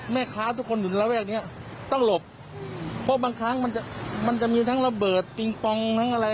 มันจะมีทั้งระเบิดปิงปองทั้งอะไร